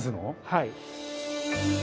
はい。